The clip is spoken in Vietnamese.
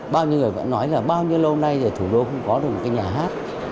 bao nhiêu người vẫn nói là bao nhiêu lâu nay rồi thủ đô không có được một cái nhà hát